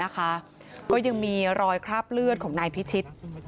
ก็ยังมีรอยคราบเลือดของนายพิชิต